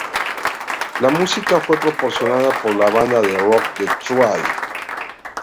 La música fue proporcionada por la banda de rock The Thrill.